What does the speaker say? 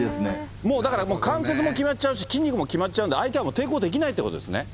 もうだから、関節も決まっちゃうし、筋肉も決まっちゃうんで、相手はもう抵抗できないってことですね。